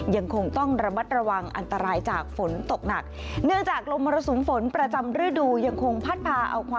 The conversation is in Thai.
ยังคงต้องระบัดระวังอันตรายจากฝนตกหนัก